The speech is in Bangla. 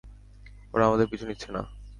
ওরা আমাদের পিছু নিচ্ছে না।